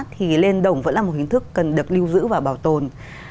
thì lên đồng vẫn là một hình thức cần được lưu giữ và bảo tồn